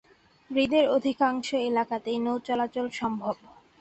হ্রদের অধিকাংশ এলাকাতেই নৌ চলাচল সম্ভব।